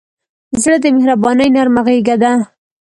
زړه د مهربانۍ نرمه غېږه ده.